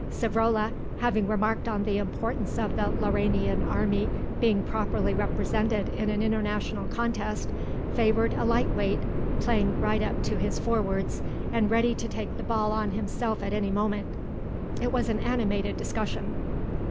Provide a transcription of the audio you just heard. Savrola, having remarked on the importance of the Lauranian Army being properly represented in an international contest, favoured a light weight, playing right up to his forwards and ready to take the ball on himself at any moment. It was an animated discussion.